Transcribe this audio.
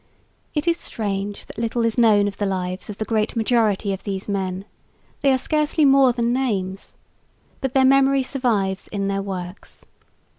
It is strange that little is known of the lives of the great majority of these men; they are scarcely more than names, but their memory survives in their works.